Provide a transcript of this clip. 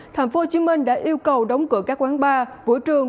thành phố hồ chí minh đã yêu cầu đóng cửa các quán bar vũ trường